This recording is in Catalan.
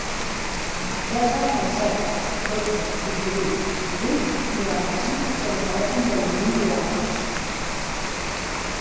Desa el set, dotze, vint-i-vuit, divuit, noranta-sis com a telèfon del Naïm Luaces.